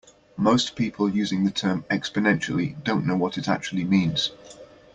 Most people using the term "exponentially" don't know what it actually means.